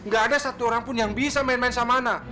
gak ada satu orang pun yang bisa main main samana